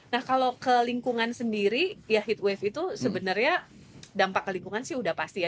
nah kalau ke lingkungan sendiri ya heat wave itu sebenarnya dampak ke lingkungan sih udah pasti ya